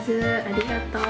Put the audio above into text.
ありがとう。